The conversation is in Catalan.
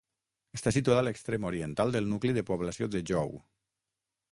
Està situada a l'extrem oriental del nucli de població de Jou.